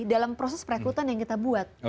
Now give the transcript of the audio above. dalam proses perekrutan yang kita buat